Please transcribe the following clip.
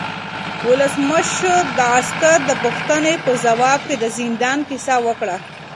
ولسمشر د عسکر د پوښتنې په ځواب کې د زندان کیسه وکړه.